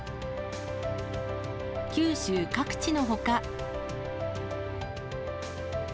九州各地のほか。